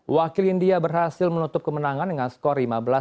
wakil india berhasil menutup kemenangan dengan skor lima belas dua puluh